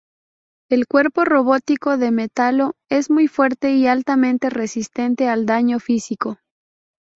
El cuerpo robótico de Metallo es muy fuerte y altamente resistente al daño físico.